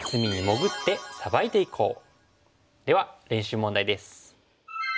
では練習問題です。